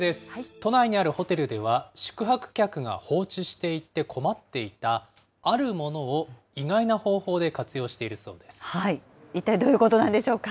都内にあるホテルでは、宿泊客が放置していって困っていたあるものを意外な方法で活用し一体どういうことなんでしょうか。